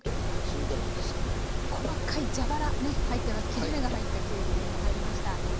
切り目が入ったきゅうりが今入りました。